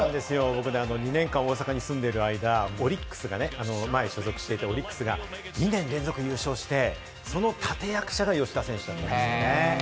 僕、２年間、大阪に住んでいる間、オリックスが２年連続で優勝して、その立て役者が吉田選手だったんですね。